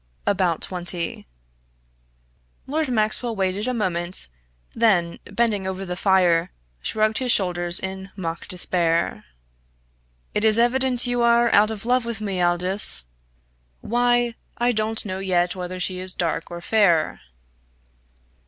"About twenty." Lord Maxwell waited a moment, then, bending over the fire, shrugged his shoulders in mock despair. "It is evident you are out of love with me, Aldous. Why, I don't know yet whether she is dark or fair!"